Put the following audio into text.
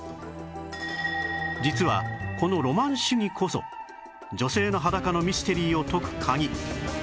実はこのロマン主義こそ女性の裸のミステリーを解く鍵